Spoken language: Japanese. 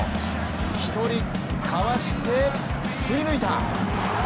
１人かわして、振り抜いた！